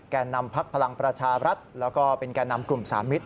นำพักพลังประชารัฐแล้วก็เป็นแก่นำกลุ่มสามิตร